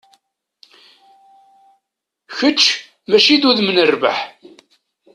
Kečč, mačči d udem n rrbeḥ.